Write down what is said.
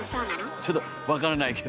ちょっと分からないけど。